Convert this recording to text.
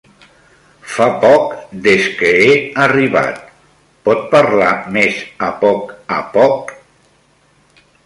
Fa poc des que he arribat, pot parlar més a poc a poc?